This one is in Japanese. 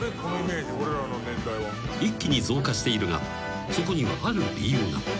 ［一気に増加しているがそこにはある理由が。